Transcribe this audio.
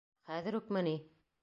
— Хәҙер үкме ни?